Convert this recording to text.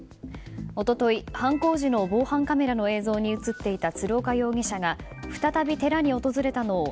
一昨日、犯行時の防犯カメラの映像に映っていた鶴岡容疑者が再び寺に訪れたのを